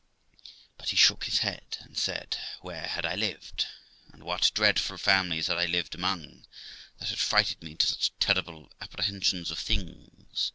But he shook his head, and said, where had I lived? and what dreadful families had I lived among, that had frighted me into such terrible apprehensions of things?